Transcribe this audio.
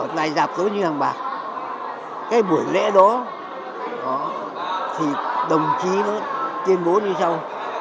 này dạp tối như hàng bạc cái buổi lễ đó thì đồng chí nó tuyên bố như sau